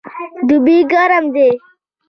دوبی ګرم دی